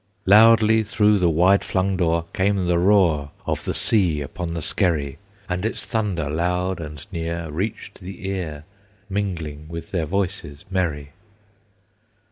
Loudly through the wide flung door Came the roar Of the sea upon the Skerry; And its thunder loud and near Reached the ear, Mingling with their voices merry.